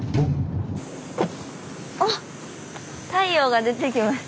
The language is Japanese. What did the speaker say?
あっ太陽が出てきましたね。